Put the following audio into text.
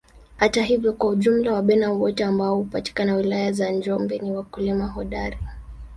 Hata hivyo kwa ujumla Wabena wote ambao hupatikana wilaya za Njombe ni wakulima hodari